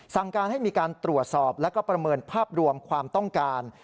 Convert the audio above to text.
สั่งการให้มีการตรวจสอบแล้วก็ประเมินภาพรวมความต้องการ